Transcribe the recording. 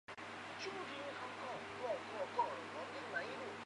当时的藩厅为会津若松城。